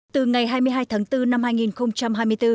từ ngày hai mươi hai tháng bốn năm hai nghìn hai mươi bốn